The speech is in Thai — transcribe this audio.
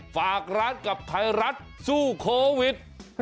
ฝากร้านกับไทยรัฐสู้โควิด